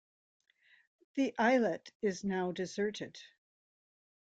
The islet is now deserted.